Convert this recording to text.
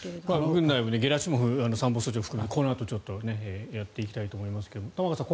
軍内部もゲラシモフ参謀総長も含めてこのあとやっていきたいと思いますが玉川さん